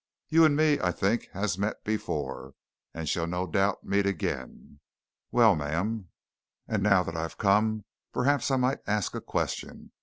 You and me, I think, has met before, and shall no doubt meet again. Well, ma'am, and now that I've come, perhaps I might ask a question.